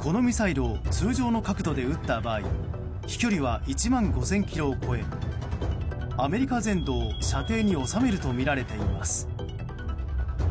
このミサイルを通常の角度で撃った場合飛距離は１万５０００ｋｍを超えアメリカ全土を射程に収めるとみられています。